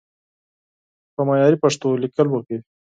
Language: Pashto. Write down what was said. په معياري پښتو ليکل وکړئ!